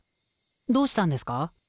どうしたんですか？